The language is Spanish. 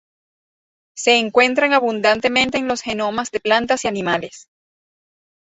Se encuentran abundantemente en los genomas de plantas y animales.